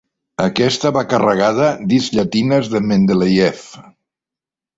Aquesta va carregada d'is llatines de Mendelejev.